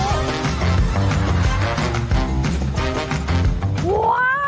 ว้าว